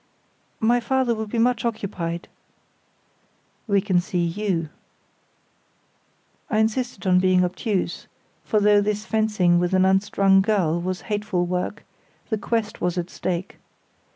"My father will be much occupied." "We can see you." I insisted on being obtuse, for though this fencing with an unstrung girl was hateful work, the quest was at stake.